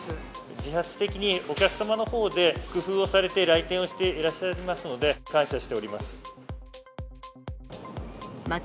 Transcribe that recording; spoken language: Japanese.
自発的にお客様のほうで、工夫をされて来店をしていらっしゃいますので、感謝しております。